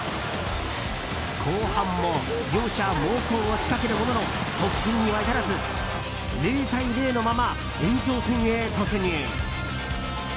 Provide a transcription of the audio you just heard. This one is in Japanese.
後半も両者猛攻を仕掛けるものの得点には至らず０対０のまま延長戦へ突入。